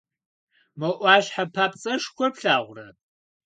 Мо Ӏуащхьэ папцӀэшхуэр плъагъурэ?